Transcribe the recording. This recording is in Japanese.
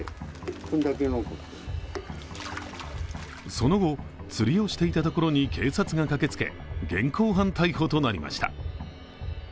その後、釣りをしていたところに警察が駆けつけ、現行犯逮捕となりました。